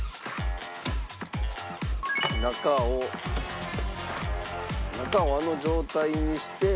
「中を中をあの状態にして」